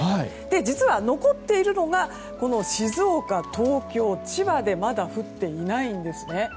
実は、残っているのが静岡、東京、千葉でまだ降っていないんですね。